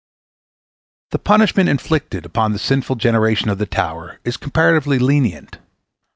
The punishment inflicted upon the sinful generation of the tower is comparatively lenient.